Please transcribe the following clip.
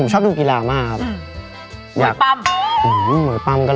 ลาวน์ดอลฟิตแฟคกลางกาย